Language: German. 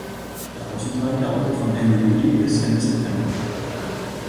Der Aufenthalt dauerte von Ende Juli bis Ende September.